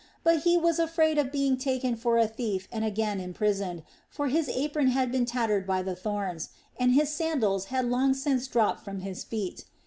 But he was afraid of being taken for a thief and again imprisoned, for his apron had been tattered by the thorns, and his sandals had long since dropped from his feet.